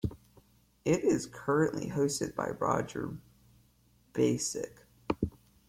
It is currently hosted by Roger Basick.